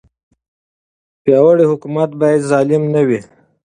پیاوړی حکومت باید ظالم نه وي.